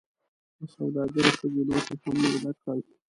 دسوداګرې ښځې لوښي هم ورډک کړل.